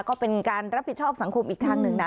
ก็เป็นการรับผิดชอบสังคมอีกทางหนึ่งนะ